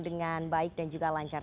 dengan baik dan juga lancar